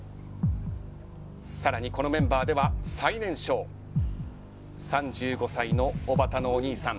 さらにこのメンバーでは最年少３５歳のおばたのお兄さん。